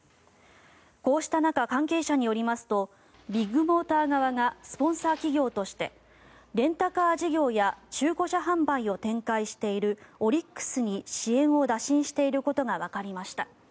こうした中、関係者によりますとビッグモーター側がスポンサー企業としてレンタカー事業や中古車販売を展開しているオリックスに支援を打診していることがわかりました。